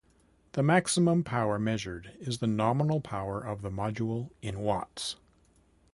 The maximum power measured is the nominal power of the module in Watts.